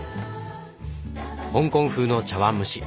香港風の茶碗蒸し。